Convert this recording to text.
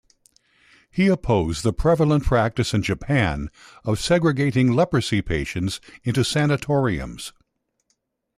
He opposed the prevalent practice in Japan of segregating leprosy patients into sanatoriums.